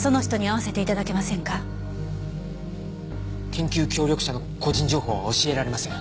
研究協力者の個人情報は教えられません。